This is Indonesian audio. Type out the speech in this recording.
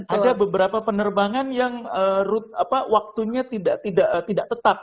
ada beberapa penerbangan yang waktunya tidak tetap